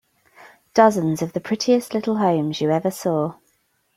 Dozens of the prettiest little homes you ever saw.